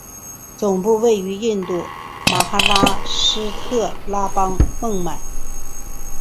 总部位于印度马哈拉施特拉邦孟买。